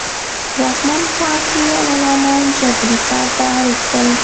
واکمن پاړکي غلامان جبري کار ته اړ اېستل.